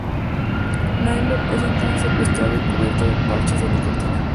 Naylor es entonces secuestrado y cubierto de parches de nicotina.